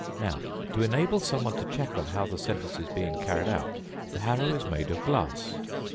Now, to enable someone to check on how the sentence is being carried out, the harrow is made of glass.